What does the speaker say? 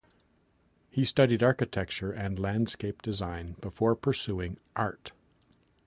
He studied architecture and landscape design before pursuing art.